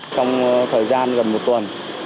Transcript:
trong thời gian gần một tuần